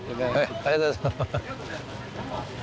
ありがとうございます。